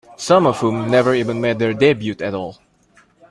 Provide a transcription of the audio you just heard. Some of whom never even made their debut at all.